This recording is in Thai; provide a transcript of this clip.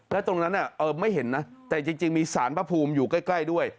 แล้วตรงนั้นไม่เห็นนะแต่จริงมีสารพระภูมิอยู่ใกล้ด้วย